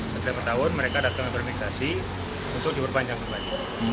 setelah lima tahun mereka datang ke administrasi untuk diperpanjang kembali